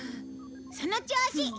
その調子！